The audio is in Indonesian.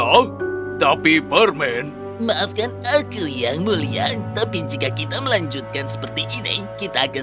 om tapi permen maafkan aku yang mulia tapi jika kita melanjutkan seperti ini kita akan